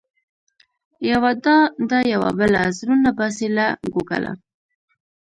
یوه دا ده يوه بله، زړونه باسې له ګوګله